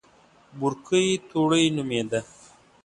بورګۍ توړۍ نومېده.